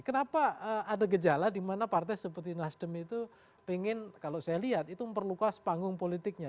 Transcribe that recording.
kenapa ada gejala dimana partai seperti nasdem itu pengen kalau saya lihat itu memperluas panggung politiknya